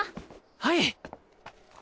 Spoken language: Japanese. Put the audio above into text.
はい！